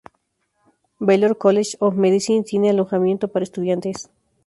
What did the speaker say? Baylor College of Medicine tiene alojamiento para estudiantes.